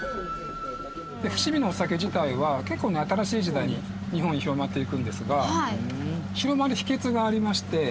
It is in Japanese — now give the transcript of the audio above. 伏見のお酒自体は結構ね新しい時代に日本に広まっていくんですが広まる秘訣がありまして。